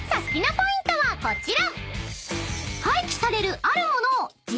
ポイントはこちら］